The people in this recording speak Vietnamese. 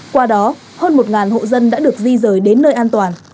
qua đó hơn một hộ dân đã được di rời đến nơi an toàn